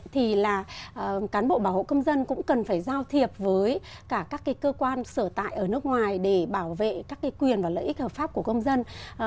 thì cán bộ bảo hộ công dân cũng cần phải giao thiệp với cả các cơ quan sở tại ở nước ngoài để bảo vệ các quyền và lợi ích hợp pháp của công dân